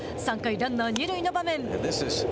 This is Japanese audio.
３回、ランナー二塁の場面。